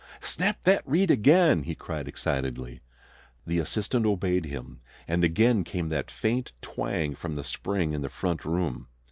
"Snap that reed again!" he cried excitedly. The assistant obeyed him, and again came that faint twang from the spring in the front room.